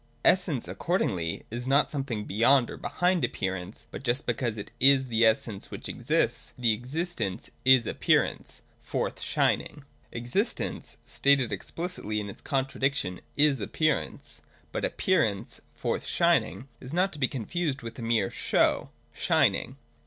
Essence accord ingly is not something beyond or behind appearance, but just because it is the essence which exists — the existence is Appearance (Forth shining). Existence stated explicitly in its contradiction is Appear ance. But appearance (forth shining) is not to be confused with a mere show (shining).